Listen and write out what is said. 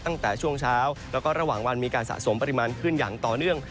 ตั้งแต่ช่วงเช้าแล้วก็ระหว่างวันมีการสะสมปริมาณขึ้นอย่างต่อเนื่อง